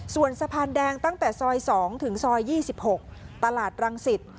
ส่วนสะพานแดงตั้งแต่ซอยสองถึงซอยยี่สิบหกตลาดรังสิต